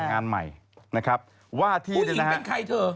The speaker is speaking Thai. ผู้หญิงเป็นใครเธอ